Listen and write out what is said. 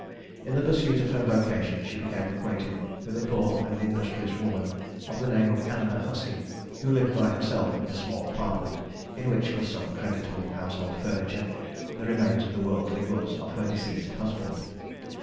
In the pursuit of her vocation, she became acquainted with a poor and industrious woman of the name of Eleanor Hussey, who lived by herself in a small apartment, in which was some creditable household furniture, the remains of the worldly goods of her deceased husband.